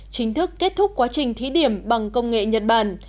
chính thức kết thúc quá trình thí điểm bằng công nghệ nhật bản